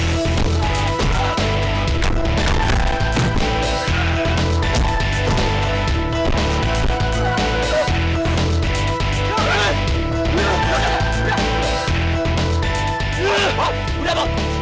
biar dia minta